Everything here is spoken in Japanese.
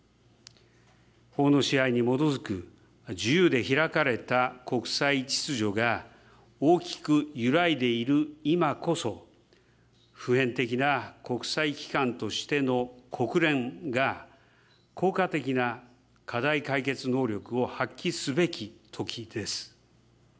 法の支配に基づく自由で開かれた国際秩序が大きく揺らいでいる今こそ、普遍的な国際機関としての国連が、効果的な課題解決能力を発揮すべきときです。